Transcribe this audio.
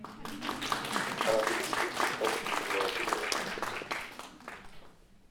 Allerdings gibt es auch gegenläufige Effekte.